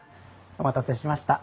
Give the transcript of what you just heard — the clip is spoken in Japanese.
お待たせしました。